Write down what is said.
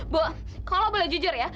bu kalau boleh jujur ya